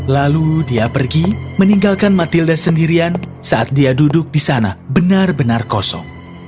lalu dia pergi meninggalkan matilda sendirian saat dia duduk di sana benar benar kosong